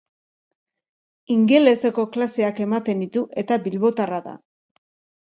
Ingeleseko klaseak ematen ditu eta bilbotarra da.